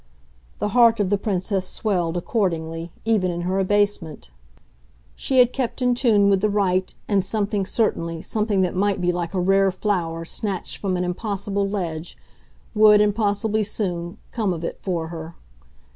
The heart of the Princess swelled, accordingly, even in her abasement; she had kept in tune with the right, and something, certainly, something that might be like a rare flower snatched from an impossible ledge, would, and possibly soon, come of it for her.